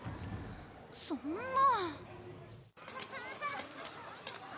そんなあ。